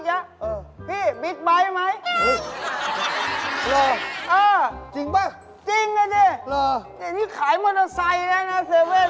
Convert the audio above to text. จริงกันดิยังไงขายมอเตอร์ไซด์นะโซเว่น